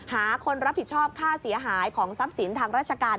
หาคนรับผิดชอบค่าเสียหายของทรัพย์สินทางราชการ